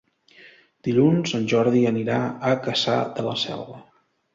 Dilluns en Jordi anirà a Cassà de la Selva.